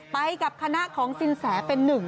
ไปกับคณะของสินแสเป็นหนึ่ง